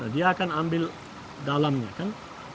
dia akan ambil dalamnya kan